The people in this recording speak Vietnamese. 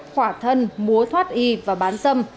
khỏa thân mua thoát y và bán dâm